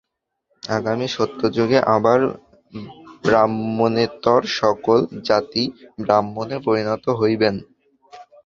আগামী সত্যযুগে আবার ব্রাহ্মণেতর সকল জাতিই ব্রাহ্মণে পরিণত হইবেন।